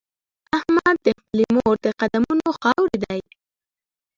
احمد د خپلې مور د قدمونو خاورې دی.